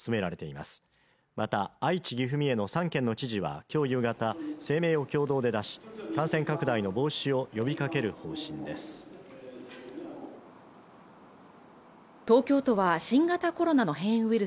また愛知岐阜三重の３県の知事はきょう夕方声明を共同で出し感染拡大の防止を呼びかける方針です東京都は新型コロナの変異ウイル